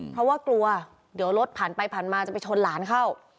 เพราะว่ากลัวเดี๋ยวรถผ่านไปผ่านมาจะไปชนหลานเข้า